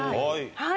はい。